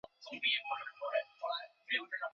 注定无法跳脱